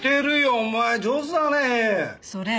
お前上手だね絵。